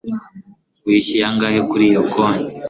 Wishyuye angahe kuri iyo koti